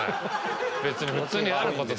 別に普通にあること。